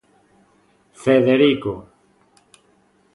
Federico.